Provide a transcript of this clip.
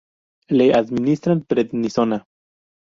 Le administran prednisona.